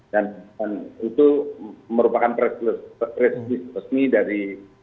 dan itu merupakan press list resmi dari